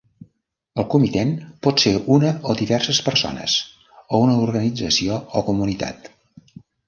El comitent pot ser una o diverses persones, o una organització o comunitat.